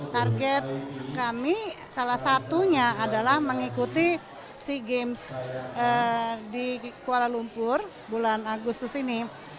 target kami salah satunya adalah mengikuti sea games di kuala lumpur bulan agustus ini